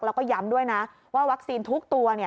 แล้วก็ย้ำด้วยนะว่าวัคซีนทุกตัว